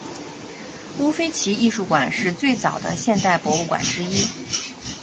乌菲齐艺术馆是最早的现代博物馆之一。